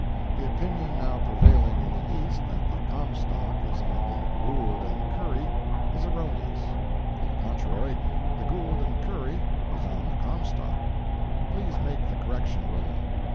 The opinion now prevailing in the East that the Comstock is on the Gould & Curry is erroneous; on the contrary, the Gould & Curry is on the Comstock. Please make the correction, William.